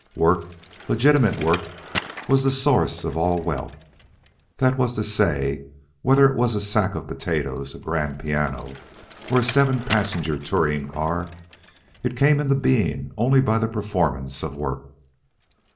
Work, legitimate work, was the source of all wealth. That was to say, whether it was a sack of potatoes, a grand piano, or a seven passenger touring car, it came into being only by the performance of work.